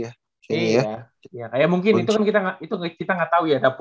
iya kayak mungkin itu kan kita gak tau ya